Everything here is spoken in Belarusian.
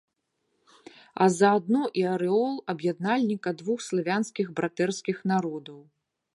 А заадно і арэол аб'яднальніка двух славянскіх братэрскіх народаў.